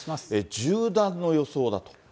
縦断の予想だと。